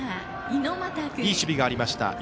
いい守備がありました